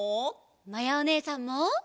まやおねえさんも。